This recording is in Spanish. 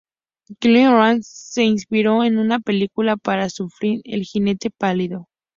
Clint Eastwood se inspiró en esta película para su film "El jinete pálido".